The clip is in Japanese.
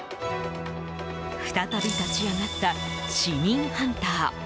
再び立ち上がった市民ハンター。